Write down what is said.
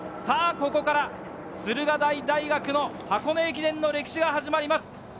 さあ、ここから、駿河台大学の箱根駅伝の歴史が始まります。